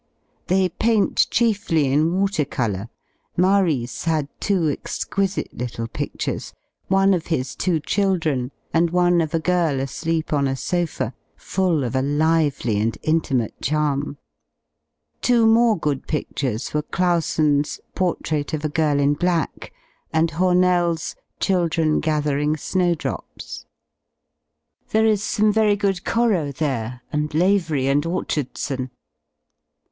They paint chiefly in water colour. Maris had two exquisite little piftures, one of his two children, and one of a girl asleep on a sofa, full of a lively and intimate charm. Two more good piftures were Clausen's "Portrait of a Girl in Black" and Homell's "Children Gathering Snow drops." There is some very good Corot there, and Lavery and Orchardson.